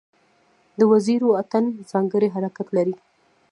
د وزیرو اتن ځانګړی حرکت لري.